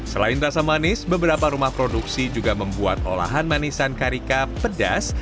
selain rasa manis beberapa rumah produksi juga membuat olahan manisan karika pedas